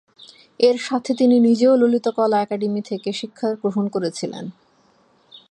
এর সাথে তিনি নিজেও ললিত কলা একাডেমী থেকে শিক্ষা গ্রহণ করেছিলেন।